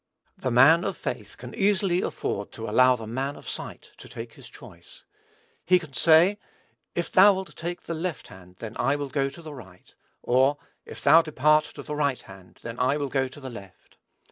The man of faith can easily afford to allow the man of sight to take his choice. He can say, "If thou wilt take the left hand, then I will go to the right; or if thou depart to the right hand, then I will go to the left."